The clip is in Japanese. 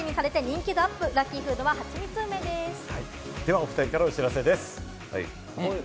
お２人からお知らせです。